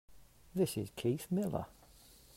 This is Keith Miller.